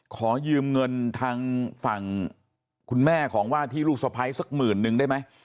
ขอยืมเงินทางฝั่งคุณแม่ของว่าที่ลูกสะพ้ายสักหมื่นนึงได้ไหม